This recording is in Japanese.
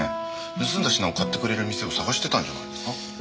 盗んだ品を買ってくれる店を探してたんじゃないですか。